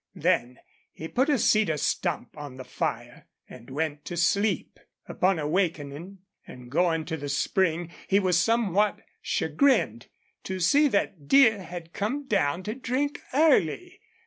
Then he put a cedar stump on the fire and went to sleep. Upon awakening and going to the spring he was somewhat chagrined to see that deer had come down to drink early.